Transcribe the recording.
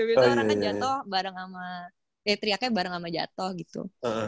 orangnya jatoh bareng ama eh teriaknya bareng ama jatoh gitu